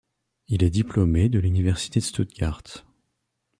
Il est diplômé de l'université de Stuttgart.